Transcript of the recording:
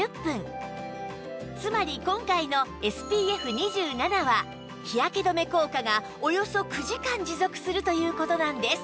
つまり今回の ＳＰＦ２７ は日焼け止め効果がおよそ９時間持続するという事なんです